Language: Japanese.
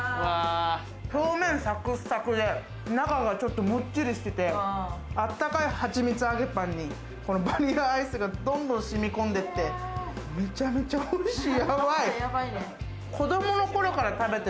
表面サクサクで、中がちょっともっちりしてて、あったかいはちみつ揚げパンに、バニラアイスがどんどん染み込んでってめちゃめちゃおいしい。